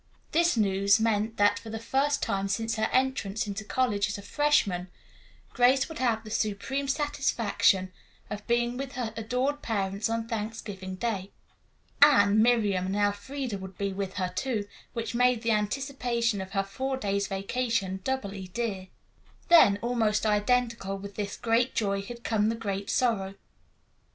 This news meant that, for the first time since her entrance into college as a freshman, Grace would have the supreme satisfaction of being with her adored parents on Thanksgiving Day. Anne, Miriam and Elfreda would be with her, too, which made the anticipation of her four days' vacation doubly dear. Then almost identical with this great joy had come the great sorrow.